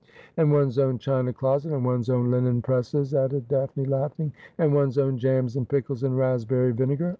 'And one's own china closet, and one's own linen presses,' added Daphne, laughing ;' and one's own jams and pickles and raspberry vinegar.